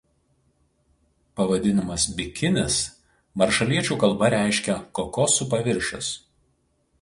Pavadinimas „bikinis“ maršaliečių kalba reškia „kokosų paviršius“.